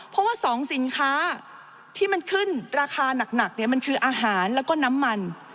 เพราะว่า๒สินค้าที่มันขึ้นราคาหนักมันคืออาหารแล้วก็น้ำมัน